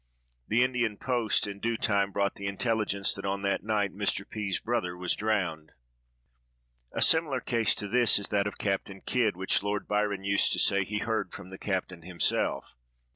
The Indian post, in due time, brought the intelligence that on that night Mr. P——'s brother was drowned. A similar case to this is that of Captain Kidd, which Lord Byron used to say he heard from the captain himself.